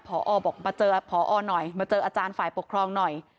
พอบอกมาเจอพอหน่อยมาเจออาจารย์ฝ่ายปกครองหน่อย